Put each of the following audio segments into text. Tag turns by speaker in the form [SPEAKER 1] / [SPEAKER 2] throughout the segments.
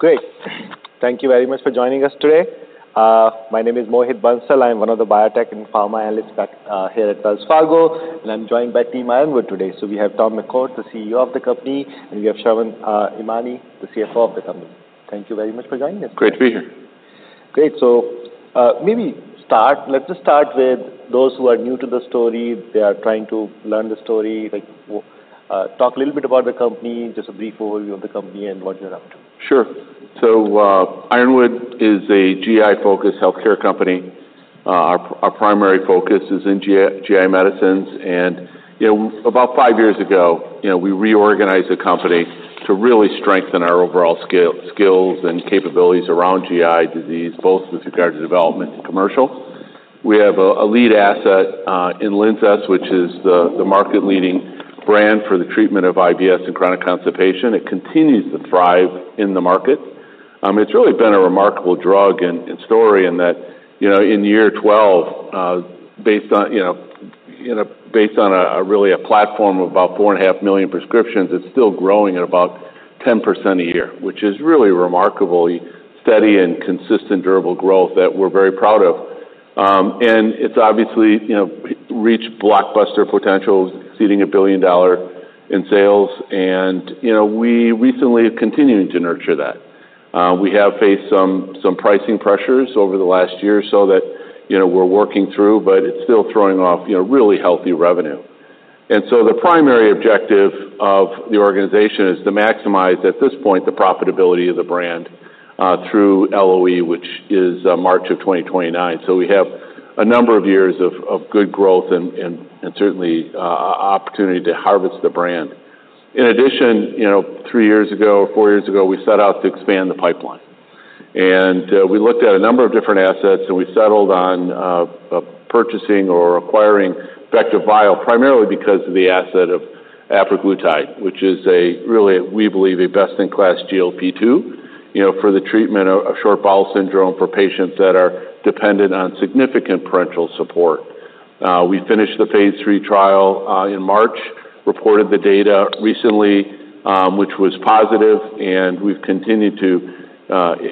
[SPEAKER 1] Great. Thank you very much for joining us today. My name is Mohit Bansal. I'm one of the biotech and pharma analysts back here at Wells Fargo, and I'm joined by team Ironwood today. So we have Tom McCourt, the CEO of the company, and we have Sravan Emany, the CFO of the company. Thank you very much for joining us.
[SPEAKER 2] Great to be here.
[SPEAKER 1] Great. So, let's just start with those who are new to the story, they are trying to learn the story. Like, talk a little bit about the company, just a brief overview of the company and what you're up to.
[SPEAKER 2] Sure. Ironwood is a GI-focused healthcare company. Our primary focus is in GI medicines. And you know, about five years ago, you know, we reorganized the company to really strengthen our overall skills and capabilities around GI disease, both with regard to development and commercial. We have a lead asset in Linzess, which is the market-leading brand for the treatment of IBS and chronic constipation. It continues to thrive in the market. It's really been a remarkable drug and story in that, you know, in year 12, based on you know based on a really platform of about 4.5 million prescriptions, it's still growing at about 10% a year, which is really remarkably steady and consistent, durable growth that we're very proud of. And it's obviously, you know, reached blockbuster potential, exceeding $1 billion in sales, and, you know, we recently have continued to nurture that. We have faced some pricing pressures over the last year so that, you know, we're working through, but it's still throwing off, you know, really healthy revenue. And so the primary objective of the organization is to maximize, at this point, the profitability of the brand, through LOE, which is, March of 2029. So we have a number of years of good growth and certainly, opportunity to harvest the brand. In addition, you know, three years ago or four years ago, we set out to expand the pipeline. We looked at a number of different assets, and we settled on purchasing or acquiring VectivBio, primarily because of the asset of apraglutide, which is a really, we believe, a best-in-class GLP-2, you know, for the treatment of short bowel syndrome for patients that are dependent on significant parenteral support. We finished the phase III trial in March, reported the data recently, which was positive, and we've continued to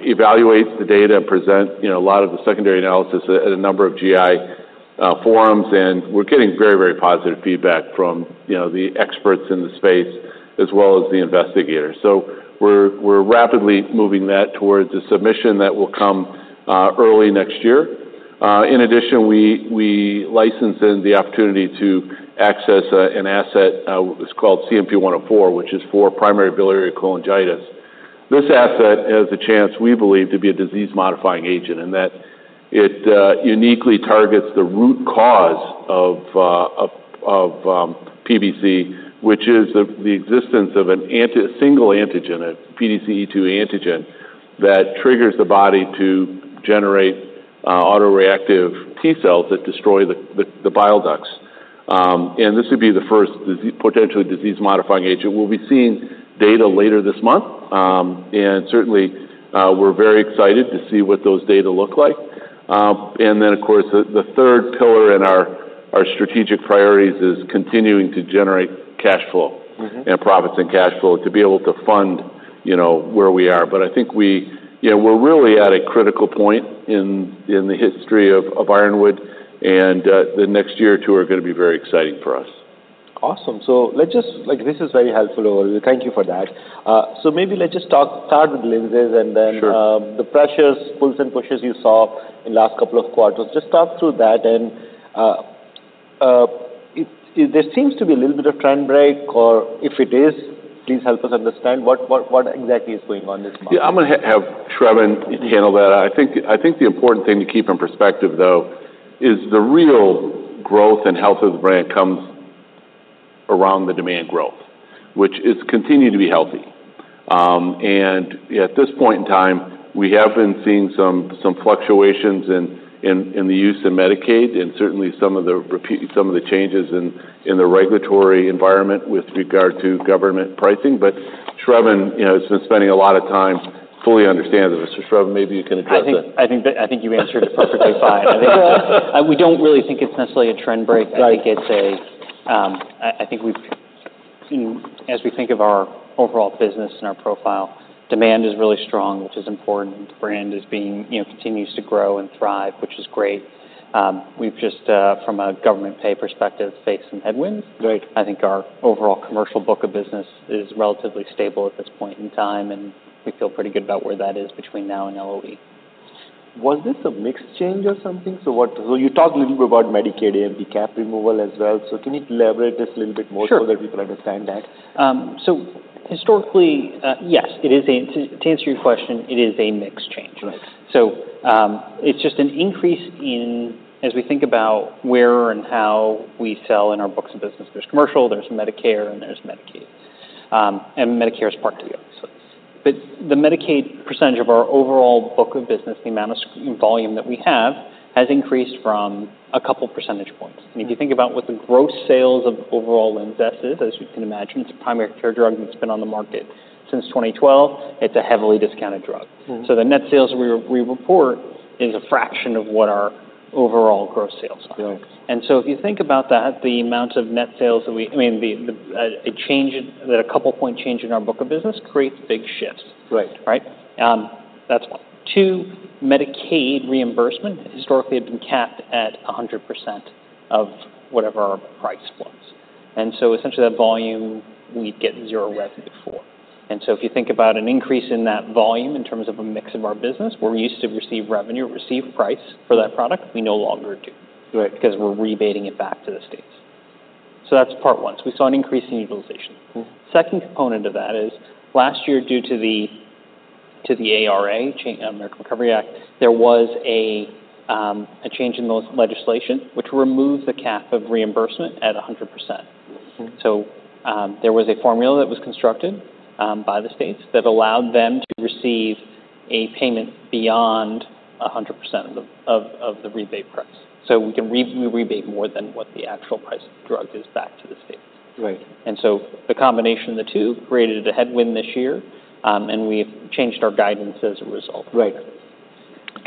[SPEAKER 2] evaluate the data and present, you know, a lot of the secondary analysis at a number of GI forums. We're rapidly moving that towards a submission that will come early next year. In addition, we licensed in the opportunity to access an asset, what was called CNP-104, which is for primary biliary cholangitis. This asset has a chance, we believe, to be a disease-modifying agent, and that it uniquely targets the root cause of PBC, which is the existence of an anti-PDC-E2 antigen, the PDC-E2 antigen, that triggers the body to generate autoreactive T-cells that destroy the bile ducts, and this would be the first potentially disease-modifying agent. We'll be seeing data later this month, and certainly, we're very excited to see what those data look like, and then, of course, the third pillar in our strategic priorities is continuing to generate cash flow-
[SPEAKER 1] Mm-hmm.
[SPEAKER 2] and profits and cash flow to be able to fund, you know, where we are. But I think we... You know, we're really at a critical point in the history of Ironwood, and the next year or two are gonna be very exciting for us.
[SPEAKER 1] Awesome. So let's just—like, this is very helpful overview. Thank you for that. So maybe let's just talk, start with Linzess and then-
[SPEAKER 2] Sure.
[SPEAKER 1] The pressures, pulls and pushes you saw in last couple of quarters. Just talk through that, and there seems to be a little bit of trend break, or if it is, please help us understand what, what, what exactly is going on this market?
[SPEAKER 2] Yeah, I'm gonna have Sravan handle that. I think the important thing to keep in perspective, though, is the real growth and health of the brand comes around the demand growth, which is continuing to be healthy, and at this point in time, we have been seeing some fluctuations in the use of Medicaid and certainly some of the changes in the regulatory environment with regard to government pricing. But Sravan, you know, has been spending a lot of time fully understanding this. So Sravan, maybe you can address that.
[SPEAKER 3] I think you answered it perfectly fine. I think we don't really think it's necessarily a trend break.
[SPEAKER 1] Right.
[SPEAKER 3] I think we've, you know, as we think of our overall business and our profile, demand is really strong, which is important. The brand is being, you know, continues to grow and thrive, which is great. We've just from a government pay perspective, faced some headwinds.
[SPEAKER 1] Right.
[SPEAKER 3] I think our overall commercial book of business is relatively stable at this point in time, and we feel pretty good about where that is between now and LOE.
[SPEAKER 1] Was this a mix change or something? You talked a little bit about Medicaid AMP cap removal as well. Can you elaborate this a little bit more?
[SPEAKER 3] Sure.
[SPEAKER 1] so that people understand that?
[SPEAKER 3] So historically, yes, it is. To answer your question, it is a mix change.
[SPEAKER 1] Right.
[SPEAKER 3] It's just an increase in, as we think about where and how we sell in our books of business, there's commercial, there's Medicare, and there's Medicaid, and Medicare is Part D also. But the Medicaid percentage of our overall book of business, the amount of volume that we have, has increased a couple percentage points. And if you think about what the gross sales of overall Linzess is, as you can imagine, it's a primary care drug that's been on the market since 2012. It's a heavily discounted drug.
[SPEAKER 1] Mm-hmm.
[SPEAKER 3] So the net sales we report is a fraction of what our overall gross sales are.
[SPEAKER 1] Right.
[SPEAKER 3] And so if you think about that, the amount of net sales that we, I mean, a couple point change in our book of business creates big shifts.
[SPEAKER 1] Right.
[SPEAKER 3] Right? That's one. Two, Medicaid reimbursement historically had been capped at 100% of whatever our price was, and so essentially, that volume, we'd get zero revenue for.
[SPEAKER 1] Right.
[SPEAKER 3] And so if you think about an increase in that volume in terms of a mix of our business, where we used to receive revenue, receive price for that product, we no longer do.
[SPEAKER 1] Right
[SPEAKER 3] Because we're rebating it back to the states. So that's part one. So we saw an increase in utilization.
[SPEAKER 1] Mm-hmm.
[SPEAKER 3] Second component of that is, last year, due to the ARA, American Recovery Act, there was a change in those legislation, which removed the cap of reimbursement at 100%.
[SPEAKER 1] Mm-hmm.
[SPEAKER 3] There was a formula that was constructed by the states that allowed them to receive a payment beyond 100% of the rebate price. We can rebate more than what the actual price of the drug is back to the states.
[SPEAKER 1] Right.
[SPEAKER 3] And so the combination of the two created a headwind this year, and we've changed our guidance as a result.
[SPEAKER 1] Right.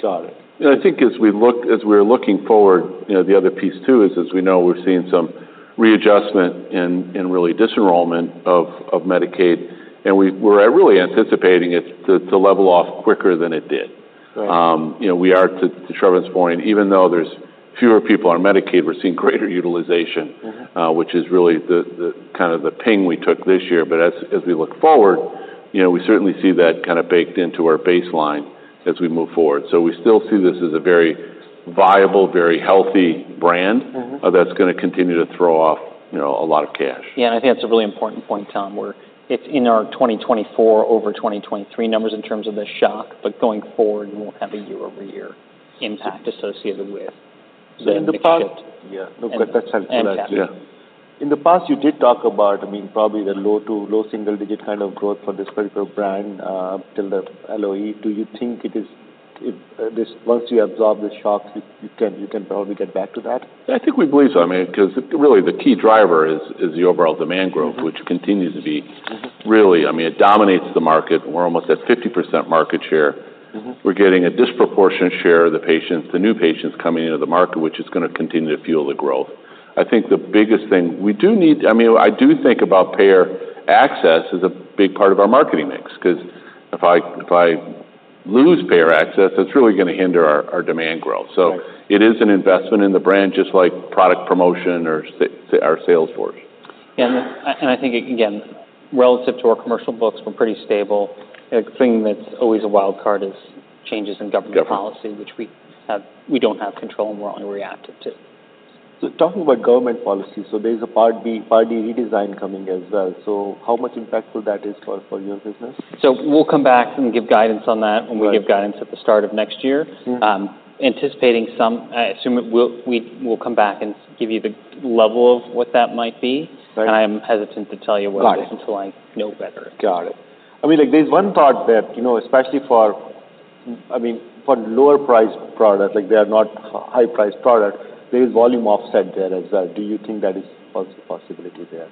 [SPEAKER 1] Got it.
[SPEAKER 2] I think as we're looking forward, you know, the other piece, too, is, as we know, we're seeing some readjustment and really disenrollment of Medicaid, and we're really anticipating it to level off quicker than it did.
[SPEAKER 1] Right.
[SPEAKER 2] You know, we are to Sravan's point, even though there's fewer people on Medicaid, we're seeing greater utilization-
[SPEAKER 1] Mm-hmm...
[SPEAKER 2] which is really the kind of ping we took this year. But as we look forward, you know, we certainly see that kind of baked into our baseline as we move forward. So we still see this as a very viable, very healthy brand-
[SPEAKER 1] Mm-hmm
[SPEAKER 2] That's gonna continue to throw off, you know, a lot of cash.
[SPEAKER 3] Yeah, and I think that's a really important point, Tom, where it's in our 2024 over 2023 numbers in terms of the shock, but going forward, we won't have a year-over-year impact associated with the mix shift.
[SPEAKER 1] So in the past-
[SPEAKER 2] Yeah.
[SPEAKER 1] No, but that's helpful.
[SPEAKER 3] And, yeah.
[SPEAKER 1] In the past, you did talk about, I mean, probably the low to low single digit kind of growth for this particular brand till the LOE. Do you think it is, this once you absorb the shocks, you can probably get back to that?
[SPEAKER 2] I think we believe so. I mean, 'cause really, the key driver is the overall demand growth-
[SPEAKER 1] Mm-hmm
[SPEAKER 2] which continues to be
[SPEAKER 1] Mm-hmm...
[SPEAKER 2] really, I mean, it dominates the market. We're almost at 50% market share.
[SPEAKER 1] Mm-hmm.
[SPEAKER 2] We're getting a disproportionate share of the patients, the new patients coming into the market, which is gonna continue to fuel the growth. I think the biggest thing... We do need, I mean, I do think about payer access as a big part of our marketing mix, 'cause if I, if I lose payer access, that's really gonna hinder our, our demand growth.
[SPEAKER 1] Right.
[SPEAKER 2] So it is an investment in the brand, just like product promotion or our sales force.
[SPEAKER 3] I think, again, relative to our commercial books, we're pretty stable. A thing that's always a wild card is changes in government policy-
[SPEAKER 2] Government
[SPEAKER 3] which we have, we don't have control and we're only reactive to.
[SPEAKER 1] So talking about government policy, so there's a Part B, Part D redesign coming as well. So how much impactful that is for your business?
[SPEAKER 3] So we'll come back and give guidance on that.
[SPEAKER 1] Right
[SPEAKER 3] when we give guidance at the start of next year.
[SPEAKER 1] Mm-hmm.
[SPEAKER 3] Anticipating some, assuming we'll come back and give you the level of what that might be.
[SPEAKER 1] Right.
[SPEAKER 3] I'm hesitant to tell you what-
[SPEAKER 1] Right
[SPEAKER 3] - until I know better.
[SPEAKER 1] Got it. I mean, like, there's one part that, you know, especially for, I mean, for lower priced products, like they are not high priced products, there is volume offset there as well. Do you think that is a possibility there?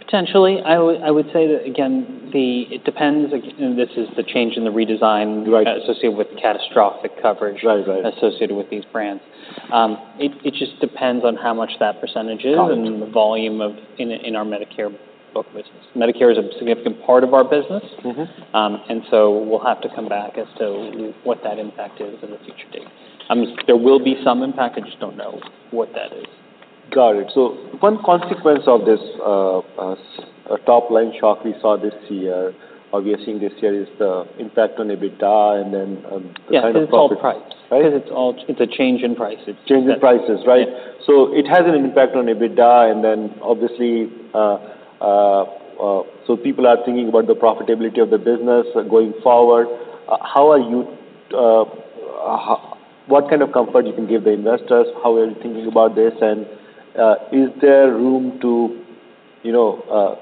[SPEAKER 3] Potentially. I would say that, again, the... It depends, again, and this is the change in the redesign-
[SPEAKER 1] Right
[SPEAKER 3] associated with catastrophic coverage
[SPEAKER 1] Right, right
[SPEAKER 3] - associated with these brands. It just depends on how much that percentage is-
[SPEAKER 1] Got it
[SPEAKER 3] and the volume of, in our Medicare book business. Medicare is a significant part of our business.
[SPEAKER 1] Mm-hmm.
[SPEAKER 3] And so we'll have to come back as to what that impact is at a future date. There will be some impact. I just don't know what that is.
[SPEAKER 1] Got it. So one consequence of this, a top-line shock we saw this year, or we are seeing this year, is the impact on EBITDA, and then, the kind of profit-
[SPEAKER 3] Yeah, it's all price.
[SPEAKER 1] Right?
[SPEAKER 3] It's a change in price. It's-
[SPEAKER 1] Change in prices, right?
[SPEAKER 3] Yeah.
[SPEAKER 1] So it has an impact on EBITDA, and then obviously. So people are thinking about the profitability of the business going forward. How are you, what kind of comfort you can give the investors? How are you thinking about this, and, is there room to, you know,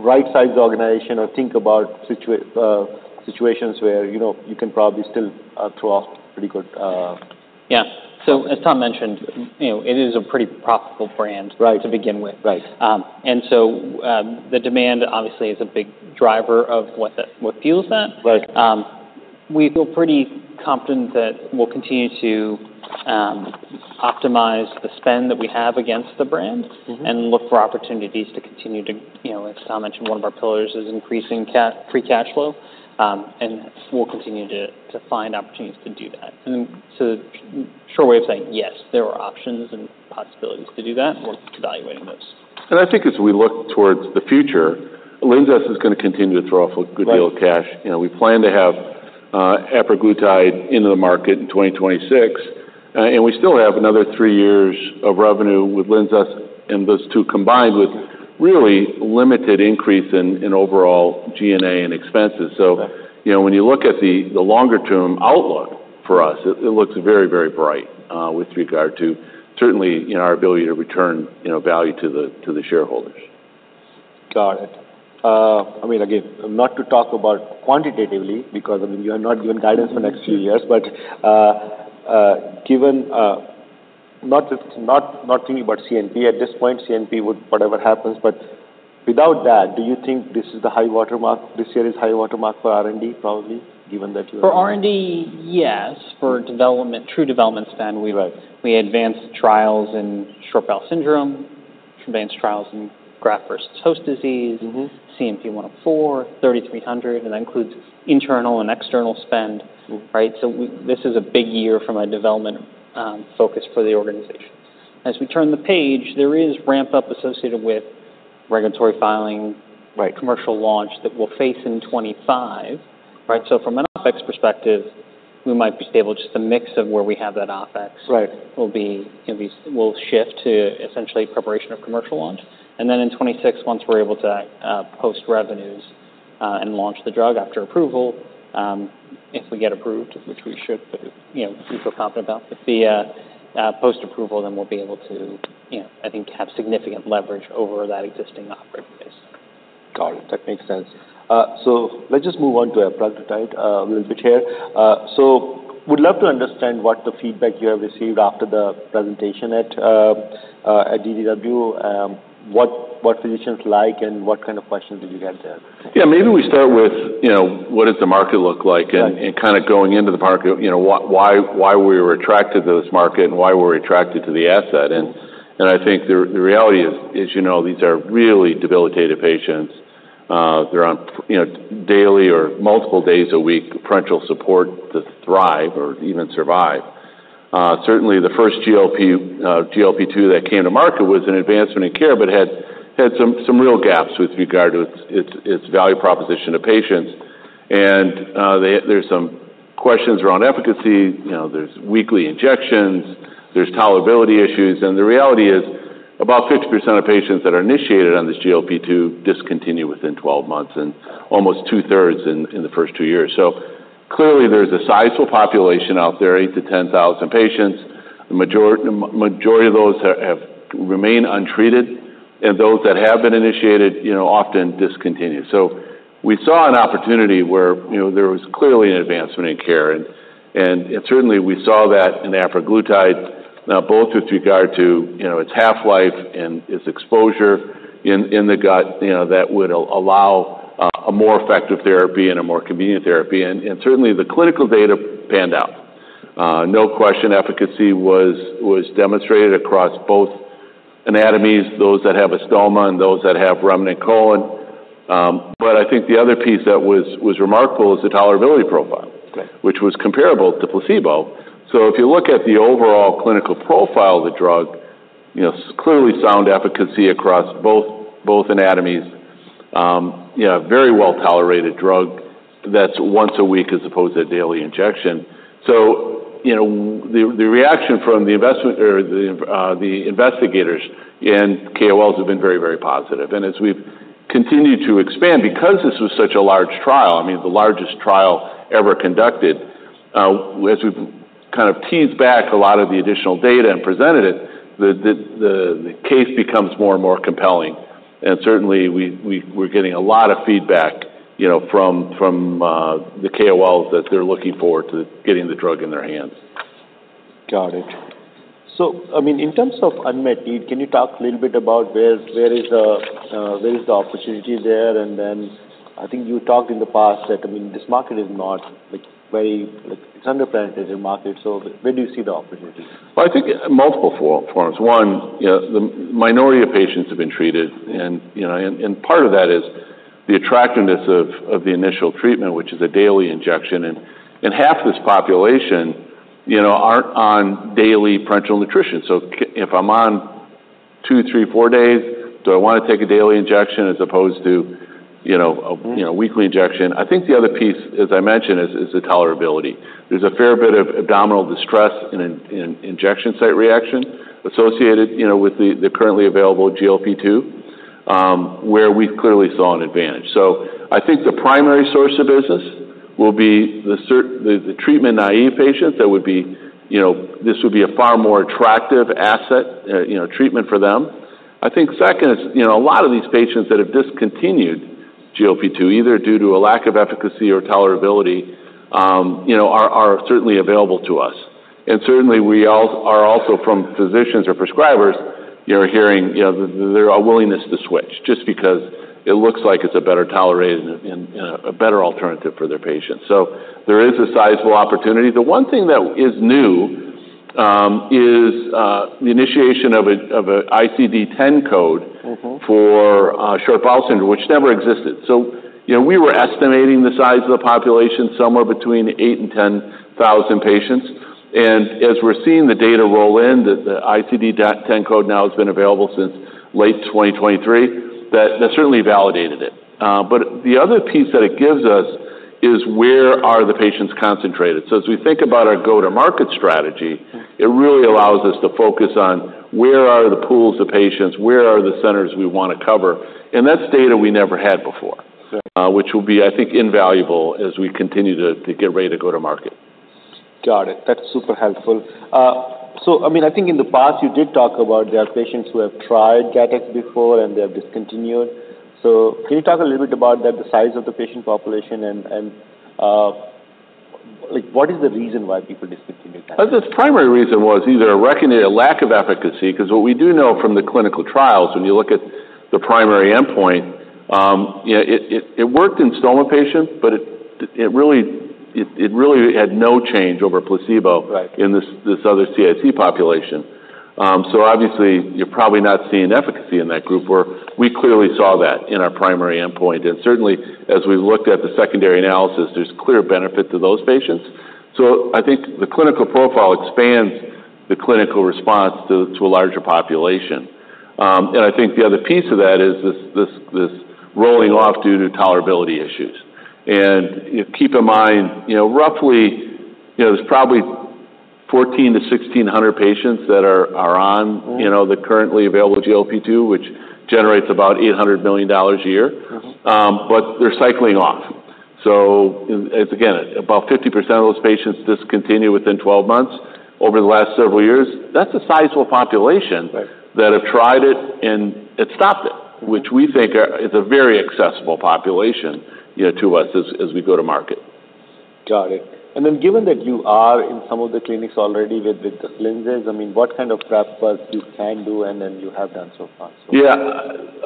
[SPEAKER 1] rightsize the organization or think about situations where, you know, you can probably still, throw off pretty good.
[SPEAKER 3] Yeah. So, as Tom mentioned, you know, it is a pretty profitable brand-
[SPEAKER 1] Right
[SPEAKER 3] To begin with.
[SPEAKER 1] Right.
[SPEAKER 3] And so, the demand obviously is a big driver of what fuels that.
[SPEAKER 1] Right.
[SPEAKER 3] We feel pretty confident that we'll continue to optimize the spend that we have against the brand-
[SPEAKER 1] Mm-hmm
[SPEAKER 3] and look for opportunities to continue to, you know, as Tom mentioned, one of our pillars is increasing free cash flow. And we'll continue to find opportunities to do that. And so short way of saying, yes, there are options and possibilities to do that, and we're evaluating those.
[SPEAKER 2] And I think as we look towards the future, Linzess is gonna continue to throw off a good deal-
[SPEAKER 1] Right...
[SPEAKER 2] of cash. You know, we plan to have apraglutide into the market in 2026, and we still have another three years of revenue with Linzess, and those two combined-
[SPEAKER 1] Right
[SPEAKER 2] with really limited increase in overall G&A and expenses.
[SPEAKER 1] Right.
[SPEAKER 2] So, you know, when you look at the longer-term outlook for us, it looks very, very bright, with regard to certainly, you know, our ability to return, you know, value to the shareholders....
[SPEAKER 1] Got it. I mean, again, not to talk about quantitatively, because, I mean, you are not giving guidance for the next few years. But, given, not just not thinking about CNP. At this point, CNP would, whatever happens, but without that, do you think this is the high watermark, this year is high watermark for R&D, probably, given that you-
[SPEAKER 3] For R&D, yes. For development, true development spend, we-
[SPEAKER 1] Right.
[SPEAKER 3] We advanced trials in short bowel syndrome, advanced trials in graft-versus-host disease-
[SPEAKER 1] Mm-hmm.
[SPEAKER 3] CNP-104, IW-3300, and that includes internal and external spend, right? So this is a big year from a development focus for the organization. As we turn the page, there is ramp up associated with regulatory filing.
[SPEAKER 1] Right.
[SPEAKER 3] Commercial launch that we'll face in 2025, right? So from an OpEx perspective, we might be stable. Just a mix of where we have that OpEx-
[SPEAKER 1] Right
[SPEAKER 3] Will be, you know, we'll shift to essentially preparation of commercial launch, and then in 2026, once we're able to post revenues and launch the drug after approval, if we get approved, which we should, but, you know, we feel confident about, but the post-approval, then we'll be able to, you know, I think, have significant leverage over that existing operating base.
[SPEAKER 1] Got it. That makes sense. So let's just move on to apraglutide, a little bit here. So would love to understand what the feedback you have received after the presentation at DDW. What physicians like and what kind of questions did you get there?
[SPEAKER 2] Yeah, maybe we start with, you know, what does the market look like?
[SPEAKER 1] Right...
[SPEAKER 2] and kind of going into the market, you know, why we were attracted to this market and why we're attracted to the asset. I think the reality is, you know, these are really debilitated patients. They're on, you know, daily or multiple days a week, parenteral support to thrive or even survive. Certainly the first GLP-2 that came to market was an advancement in care, but had some real gaps with regard to its value proposition to patients. And there's some questions around efficacy. You know, there's weekly injections, there's tolerability issues, and the reality is, about 50% of patients that are initiated on this GLP-2 discontinue within 12 months, and almost 2/3 in the first two years. So clearly, there's a sizable population out there, 8,000-10,000 patients. The majority of those have remain untreated, and those that have been initiated, you know, often discontinue. So we saw an opportunity where, you know, there was clearly an advancement in care, and certainly we saw that in apraglutide. Now, both with regard to, you know, its half-life and its exposure in the gut, you know, that would allow a more effective therapy and a more convenient therapy. And certainly, the clinical data panned out. No question, efficacy was demonstrated across both anatomies, those that have a stoma and those that have remnant colon. But I think the other piece that was remarkable is the tolerability profile.
[SPEAKER 1] Right
[SPEAKER 2] Which was comparable to placebo. So if you look at the overall clinical profile of the drug, you know, clearly sound efficacy across both anatomies. You know, very well-tolerated drug that's once a week, as opposed to a daily injection. So, you know, the reaction from the investigators and KOLs have been very, very positive. And as we've continued to expand, because this was such a large trial, I mean, the largest trial ever conducted, as we've kind of teased back a lot of the additional data and presented it, the case becomes more and more compelling. And certainly, we're getting a lot of feedback, you know, from the KOLs, that they're looking forward to getting the drug in their hands.
[SPEAKER 1] Got it. So, I mean, in terms of unmet need, can you talk a little bit about where is the opportunity there? And then I think you talked in the past that, I mean, this market is not, like, very... Like, it's underpenetrated market. So where do you see the opportunity?
[SPEAKER 2] I think multiple forms. One, you know, the minority of patients have been treated, and, you know, part of that is the attractiveness of the initial treatment, which is a daily injection. Half this population, you know, aren't on daily parenteral nutrition. So, if I'm on two, three, four days, do I wanna take a daily injection as opposed to, you know, a-
[SPEAKER 1] Mm-hmm...
[SPEAKER 2] you know, weekly injection? I think the other piece, as I mentioned, is the tolerability. There's a fair bit of abdominal distress in an injection site reaction associated, you know, with the currently available GLP-2, where we've clearly saw an advantage. So I think the primary source of business will be the treatment-naive patient that would be... You know, this would be a far more attractive asset, you know, treatment for them. I think second is, you know, a lot of these patients that have discontinued GLP-2, either due to a lack of efficacy or tolerability, you know, are certainly available to us. And certainly, we are also, from physicians or prescribers, you're hearing, you know, there are willingness to switch, just because it looks like it's a better tolerated and a better alternative for their patients. So there is a sizable opportunity. The one thing that is new is the initiation of a ICD-10 code.
[SPEAKER 1] Mm-hmm...
[SPEAKER 2] for short bowel syndrome, which never existed. So, you know, we were estimating the size of the population somewhere between 8,000 and 10 thousand patients. And as we're seeing the data roll in, the ICD-10 code now has been available since late 2023, that certainly validated it. But the other piece that it gives us is, where are the patients concentrated? So as we think about our go-to-market strategy-
[SPEAKER 1] Mm-hmm...
[SPEAKER 2] it really allows us to focus on where are the pools of patients, where are the centers we wanna cover, and that's data we never had before.
[SPEAKER 1] Sure.
[SPEAKER 2] Which will be, I think, invaluable as we continue to get ready to go to market....
[SPEAKER 1] Got it. That's super helpful. So I mean, I think in the past, you did talk about there are patients who have tried Gattex before, and they have discontinued. So can you talk a little bit about that, the size of the patient population, and like, what is the reason why people discontinue Gattex?
[SPEAKER 2] This primary reason was either a recognized lack of efficacy, 'cause what we do know from the clinical trials, when you look at the primary endpoint, you know, it worked in stoma patients, but it really had no change over placebo.
[SPEAKER 1] Right
[SPEAKER 2] in this other CIC population. So obviously, you're probably not seeing efficacy in that group, where we clearly saw that in our primary endpoint. And certainly, as we looked at the secondary analysis, there's clear benefit to those patients. So I think the clinical profile expands the clinical response to a larger population. And I think the other piece of that is this rolling off due to tolerability issues. And, you know, keep in mind, you know, roughly, you know, there's probably 1,400-1,600 patients that are on-
[SPEAKER 1] Mm-hmm
[SPEAKER 2] You know, the currently available GLP-2, which generates about $800 million a year.
[SPEAKER 1] Mm-hmm.
[SPEAKER 2] But they're cycling off. It's again about 50% of those patients discontinue within 12 months over the last several years. That's a sizable population-
[SPEAKER 1] Right...
[SPEAKER 2] that have tried it and have stopped it, which we think is a very accessible population, you know, to us as we go to market.
[SPEAKER 1] Got it. And then given that you are in some of the clinics already with the Linzess, I mean, what kind of prep work you can do and then you have done so far?
[SPEAKER 2] Yeah.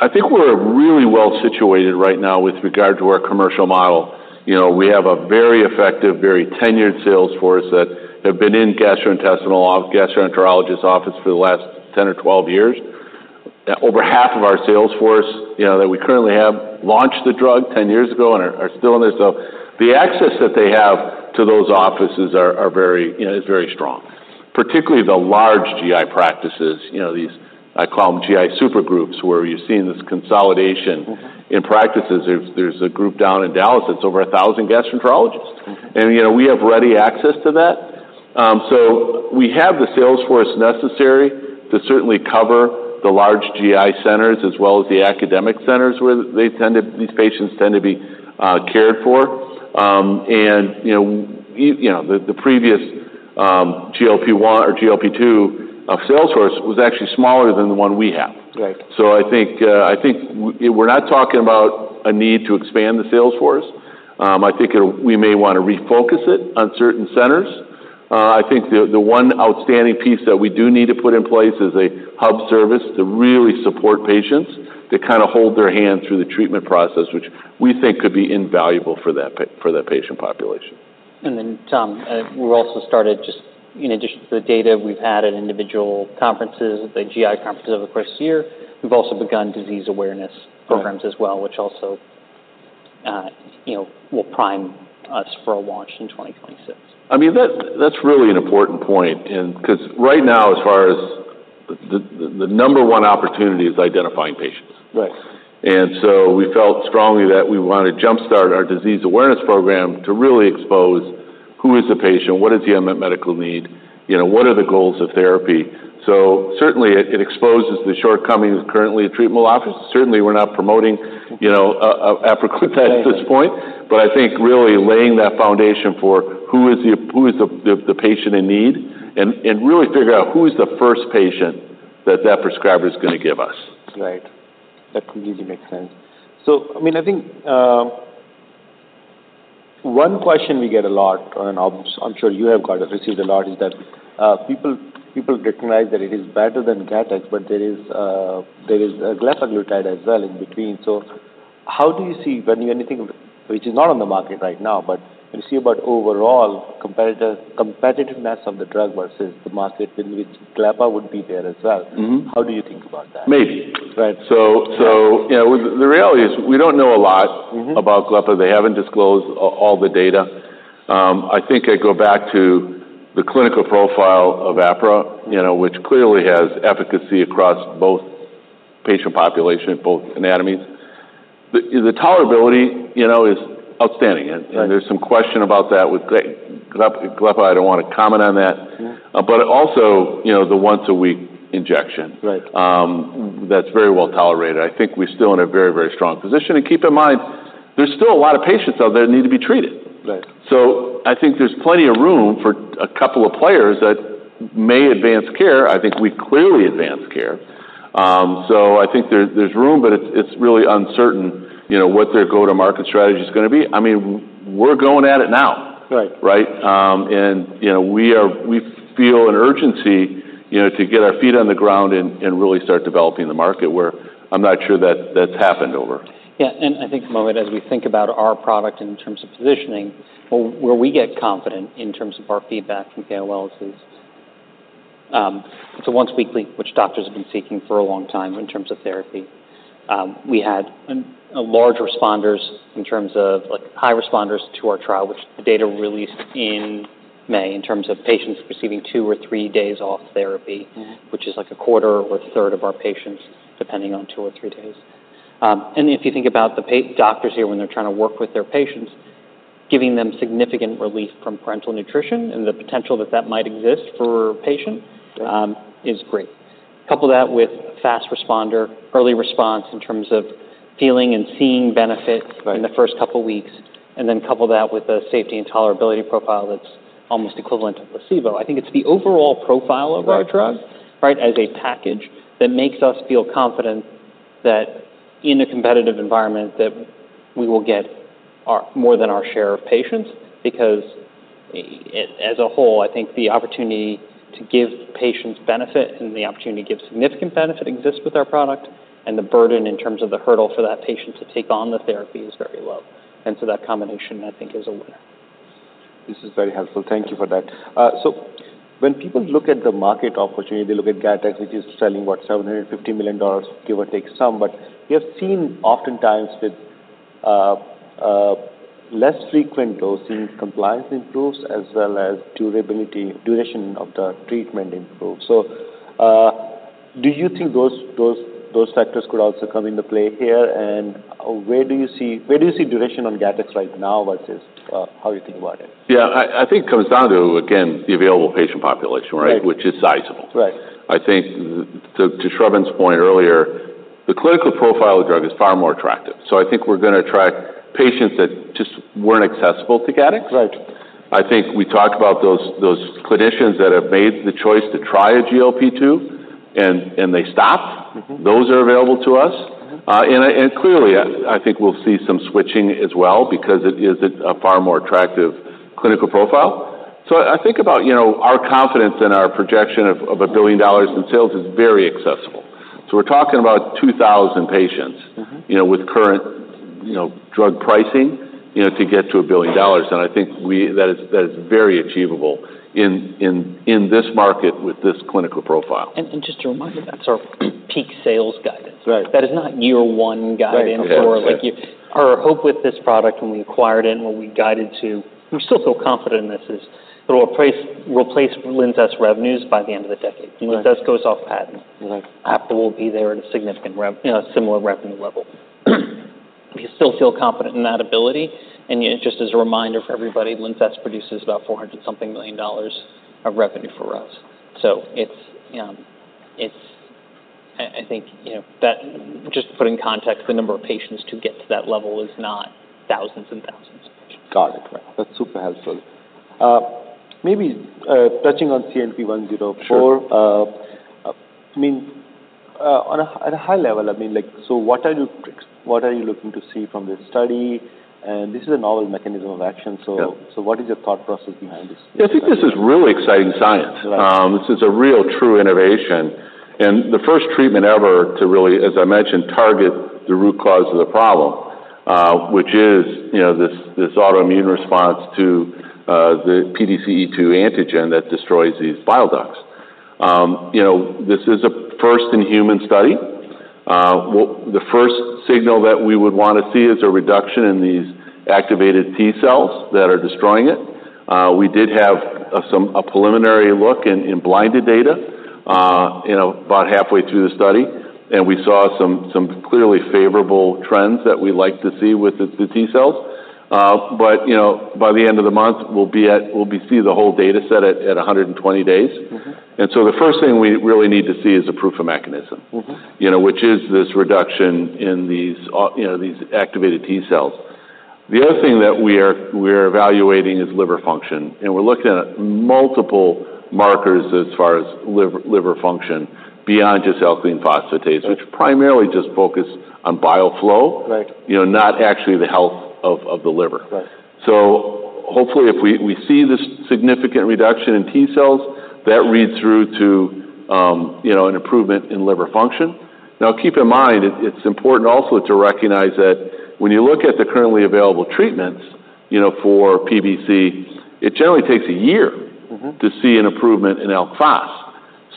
[SPEAKER 2] I think we're really well situated right now with regard to our commercial model. You know, we have a very effective, very tenured sales force that have been in gastrointestinal, gastroenterologist office for the last 10 or 12 years. Over half of our sales force, you know, that we currently have, launched the drug 10 years ago and are still in there. So the access that they have to those offices are very, you know, is very strong, particularly the large GI practices, you know, these... I call them GI super groups, where you're seeing this consolidation-
[SPEAKER 1] Mm-hmm
[SPEAKER 2] In practices. There's a group down in Dallas that's over a thousand gastroenterologists.
[SPEAKER 1] Mm-hmm.
[SPEAKER 2] And, you know, we have ready access to that. So we have the sales force necessary to certainly cover the large GI centers as well as the academic centers where these patients tend to be cared for. And, you know, you know, the previous GLP-1 or GLP-2 sales force was actually smaller than the one we have.
[SPEAKER 1] Right.
[SPEAKER 2] So I think, I think we're not talking about a need to expand the sales force. I think we may wanna refocus it on certain centers. I think the one outstanding piece that we do need to put in place is a hub service to really support patients, to kind of hold their hand through the treatment process, which we think could be invaluable for that patient population.
[SPEAKER 3] And then, Tom, we're also started just in addition to the data we've had at individual conferences, the GI conferences over the course of the year. We've also begun disease awareness programs-
[SPEAKER 2] Right...
[SPEAKER 3] as well, which also, you know, will prime us for a launch in 2026.
[SPEAKER 2] I mean, that's really an important point, and 'cause right now, as far as the number one opportunity is identifying patients.
[SPEAKER 1] Right.
[SPEAKER 2] We felt strongly that we want to jumpstart our disease awareness program to really expose who is the patient, what is the unmet medical need, you know, what are the goals of therapy? Certainly, it exposes the shortcomings currently in treatment options. Certainly, we're not promoting, you know, apraglutide at this point.
[SPEAKER 1] Right.
[SPEAKER 2] But I think really laying that foundation for who is the patient in need, and really figure out who is the first patient that prescriber is gonna give us.
[SPEAKER 1] Right. That completely makes sense. So, I mean, I think one question we get a lot, and I'm sure you have received a lot, is that people recognize that it is better than Gattex, but there is glepaglutide as well in between. So how do you see anything which is not on the market right now, but you see about overall competitiveness of the drug versus the market in which Glepa would be there as well?
[SPEAKER 2] Mm-hmm.
[SPEAKER 1] How do you think about that?
[SPEAKER 2] Maybe.
[SPEAKER 1] Right.
[SPEAKER 2] So, so-
[SPEAKER 1] Yeah...
[SPEAKER 2] you know, the reality is, we don't know a lot.
[SPEAKER 1] Mm-hmm...
[SPEAKER 2] about Glepa. They haven't disclosed all the data. I think I go back to the clinical profile of Apra, you know, which clearly has efficacy across both patient population, both anatomies. The tolerability, you know, is outstanding.
[SPEAKER 1] Right.
[SPEAKER 2] There's some question about that with Glepa. I don't want to comment on that.
[SPEAKER 1] Mm-hmm.
[SPEAKER 2] But also, you know, the once-a-week injection.
[SPEAKER 1] Right.
[SPEAKER 2] That's very well tolerated. I think we're still in a very, very strong position. And keep in mind, there's still a lot of patients out there that need to be treated.
[SPEAKER 1] Right.
[SPEAKER 2] So I think there's plenty of room for a couple of players that may advance care. I think we've clearly advanced care. So I think there's room, but it's really uncertain, you know, what their go-to-market strategy is gonna be. I mean, we're going at it now.
[SPEAKER 1] Right.
[SPEAKER 2] Right? And, you know, we are, we feel an urgency, you know, to get our feet on the ground and really start developing the market, where I'm not sure that that's happened over.
[SPEAKER 3] Yeah, and I think, Mohit, as we think about our product in terms of positioning, where we get confident in terms of our feedback from KOLs is, it's a once weekly, which doctors have been seeking for a long time in terms of therapy. We had a large responders in terms of, like, high responders to our trial, which the data released in May, in terms of patients receiving two or three days off therapy-
[SPEAKER 1] Mm-hmm...
[SPEAKER 3] which is like a quarter or 1/3 of our patients, depending on two or three days, and if you think about the doctors here, when they're trying to work with their patients, giving them significant relief from parenteral nutrition and the potential that that might exist for a patient, is great. Couple that with fast responder, early response in terms of feeling and seeing benefit-
[SPEAKER 1] Right.
[SPEAKER 3] in the first couple of weeks, and then couple that with a safety and tolerability profile that's almost equivalent to placebo. I think it's the overall profile of our drug.
[SPEAKER 1] Right.
[SPEAKER 3] Right? As a package that makes us feel confident that in a competitive environment, that we will get our more than our share of patients, because as a whole, I think the opportunity to give patients benefit and the opportunity to give significant benefit exists with our product, and the burden in terms of the hurdle for that patient to take on the therapy is very low. And so that combination, I think, is a winner.
[SPEAKER 1] This is very helpful. Thank you for that. So when people look at the market opportunity, they look at Gattex, which is selling, what? $750 million, give or take some. But we have seen oftentimes with less frequent dosing, compliance improves, as well as durability, duration of the treatment improves. So do you think those factors could also come into play here? And where do you see duration on Gattex right now versus how you think about it?
[SPEAKER 2] Yeah, I think it comes down to, again, the available patient population, right?
[SPEAKER 1] Right.
[SPEAKER 2] Which is sizable.
[SPEAKER 1] Right.
[SPEAKER 2] I think to Sravan's point earlier, the clinical profile of the drug is far more attractive. So I think we're gonna attract patients that just weren't accessible to Gattex.
[SPEAKER 1] Right.
[SPEAKER 2] I think we talked about those clinicians that have made the choice to try a GLP-2, and they stopped.
[SPEAKER 1] Mm-hmm.
[SPEAKER 2] Those are available to us.
[SPEAKER 1] Mm-hmm.
[SPEAKER 2] And clearly, I think we'll see some switching as well, because it is a far more attractive clinical profile. So I think about, you know, our confidence and our projection of a billion dollars in sales is very accessible. So we're talking about 2,000 patients-
[SPEAKER 1] Mm-hmm.
[SPEAKER 2] You know, with current, you know, drug pricing, you know, to get to $1 billion.
[SPEAKER 1] Right.
[SPEAKER 2] That is very achievable in this market with this clinical profile.
[SPEAKER 3] Just a reminder, that's our peak sales guidance.
[SPEAKER 1] Right.
[SPEAKER 3] That is not year one guidance-
[SPEAKER 1] Right.
[SPEAKER 2] Yeah.
[SPEAKER 3] Our hope with this product when we acquired it and when we guided to, we still feel confident in this, is it'll replace Linzess revenues by the end of the decade.
[SPEAKER 1] Right.
[SPEAKER 3] When Linzess goes off patent-
[SPEAKER 1] Right
[SPEAKER 3] Apraglutide will be there at a significant rev—you know, a similar revenue level. We still feel confident in that ability, and yet just as a reminder for everybody, Linzess produces about $400-something million of revenue for us. So it's, I think, you know, that, just to put in context, the number of patients to get to that level is not thousands and thousands.
[SPEAKER 1] Got it. Right. That's super helpful. Maybe, touching on CNP-104.
[SPEAKER 2] Sure.
[SPEAKER 1] I mean, at a high level, I mean, like, so what are you looking to see from this study? And this is a novel mechanism of action.
[SPEAKER 2] Yeah.
[SPEAKER 1] What is your thought process behind this?
[SPEAKER 2] I think this is really exciting science.
[SPEAKER 1] Right.
[SPEAKER 2] This is a real, true innovation, and the first treatment ever to really, as I mentioned, target the root cause of the problem, which is, you know, this, this autoimmune response to the PDC-E2 antigen that destroys these bile ducts. You know, this is a first-in-human study. The first signal that we would wanna see is a reduction in these activated T-cells that are destroying it. We did have a preliminary look in blinded data, you know, about halfway through the study, and we saw some clearly favorable trends that we like to see with the T-cells. But, you know, by the end of the month, we'll be seeing the whole data set at 120 days.
[SPEAKER 1] Mm-hmm.
[SPEAKER 2] The first thing we really need to see is a proof of mechanism.
[SPEAKER 1] Mm-hmm.
[SPEAKER 2] You know, which is this reduction in these you know, these activated T-cells. The other thing that we are evaluating is liver function, and we're looking at multiple markers as far as liver function beyond just alkaline phosphatase-
[SPEAKER 1] Right
[SPEAKER 2] which primarily just focus on bile flow
[SPEAKER 1] Right
[SPEAKER 2] You know, not actually the health of the liver.
[SPEAKER 1] Right.
[SPEAKER 2] Hopefully, if we see this significant reduction in T-cells, that reads through to, you know, an improvement in liver function. Now, keep in mind, it's important also to recognize that when you look at the currently available treatments, you know, for PBC, it generally takes a year-
[SPEAKER 1] Mm-hmm
[SPEAKER 2] to see an improvement in alk phos.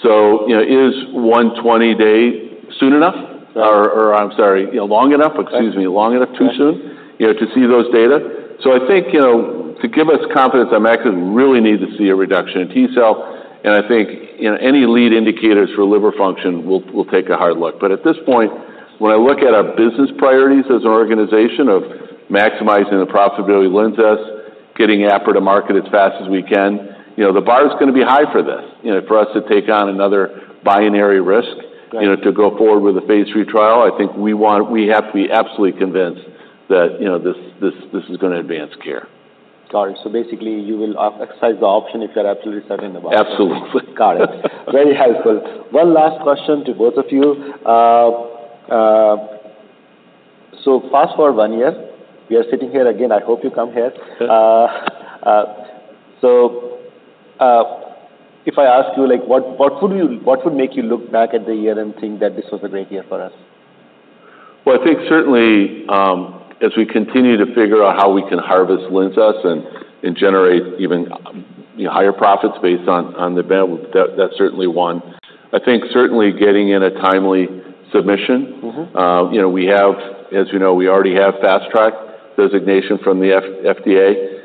[SPEAKER 2] So, you know, is 120 days soon enough? Or, or I'm sorry, you know, long enough-
[SPEAKER 1] Right.
[SPEAKER 2] Excuse me, long enough, too soon.
[SPEAKER 1] Right
[SPEAKER 2] -you know, to see those data? So I think, you know, to give us confidence, I'm actually really need to see a reduction in T-cell, and I think, you know, any lead indicators for liver function, we'll take a hard look. But at this point, when I look at our business priorities as an organization of maximizing the profitability of Linzess, getting Apra to market as fast as we can, you know, the bar is gonna be high for this, you know, for us to take on another binary risk-
[SPEAKER 1] Right
[SPEAKER 2] You know, to go forward with a phase III trial. I think we want, we have to be absolutely convinced that, you know, this, this, this is gonna advance care.
[SPEAKER 1] Got it. So basically, you will exercise the option if you are absolutely certain about it?
[SPEAKER 2] Absolutely.
[SPEAKER 1] Got it. Very helpful. One last question to both of you. So fast forward one year, we are sitting here again, I hope you come here. So, if I ask you, like, what would you--what would make you look back at the year and think that this was a great year for us?
[SPEAKER 2] I think certainly as we continue to figure out how we can harvest Linzess and generate even, you know, higher profits based on the belt, that's certainly one. I think certainly getting in a timely submission.
[SPEAKER 1] Mm-hmm.
[SPEAKER 2] You know, we have. As you know, we already have fast track designation from the FDA.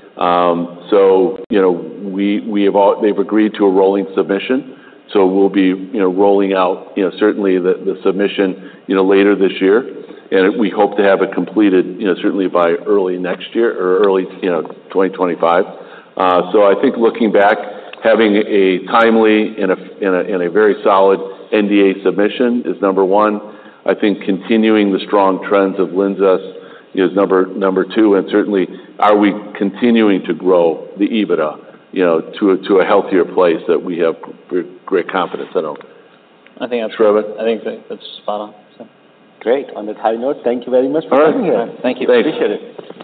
[SPEAKER 2] So you know, we have. They've agreed to a rolling submission, so we'll be you know, rolling out you know, certainly the submission you know, later this year. And we hope to have it completed you know, certainly by early next year or early you know, twenty twenty five. So I think looking back, having a timely and a very solid NDA submission is number one. I think continuing the strong trends of Linzess is number two, and certainly, are we continuing to grow the EBITDA you know, to a healthier place that we have great confidence in our-
[SPEAKER 3] I think-
[SPEAKER 2] Sravan?
[SPEAKER 3] I think that's spot on, so.
[SPEAKER 1] Great. On that high note, thank you very much for coming here.
[SPEAKER 2] All right.
[SPEAKER 3] Thank you.
[SPEAKER 2] Thanks.
[SPEAKER 3] Appreciate it.